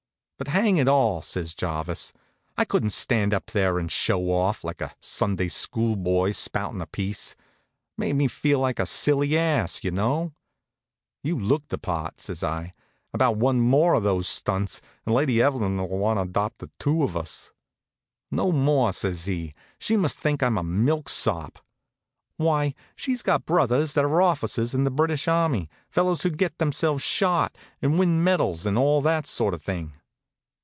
"But hang it all!" says Jarvis, "I couldn't stand up there and show off, like a Sunday school boy spouting a piece. Made me feel like a silly ass, you know." "You looked the part," says I. "About one more of those stunts, and Lady Evelyn'll want to adopt the two of us." "No more," says he. "She must think I'm a milksop. Why, she's got brothers that are officers in the British army, fellows who get themselves shot, and win medals, and all that sort of thing."